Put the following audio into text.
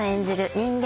人間